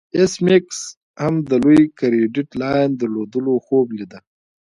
ایس میکس هم د لوی کریډیټ لاین درلودلو خوب لیده